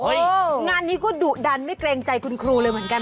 งานนี้ก็ดุดันไม่เกรงใจคุณครูเลยเหมือนกัน